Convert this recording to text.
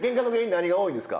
何が多いんですか？